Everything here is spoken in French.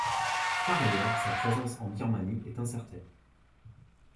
Par ailleurs, sa présence en Birmanie est incertaine.